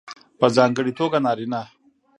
په ځانګړې توګه نارینه